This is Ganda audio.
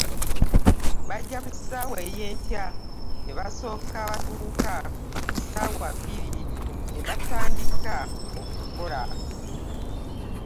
Bajja ku ssaawa ey'enkya ne basooka batuula, ku ssaawa bbiri ne batandika okukola.